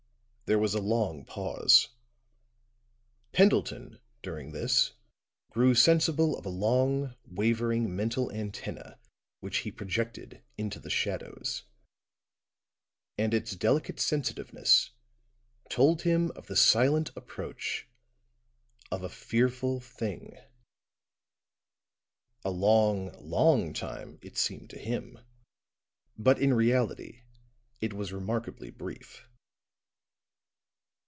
There was a long pause; Pendleton, during this, grew sensible of a long, wavering mental antenna which he projected into the shadows; and its delicate sensitiveness told him of the silent approach of a fearful thing. A long, long time, it seemed to him, but in reality it was remarkably brief.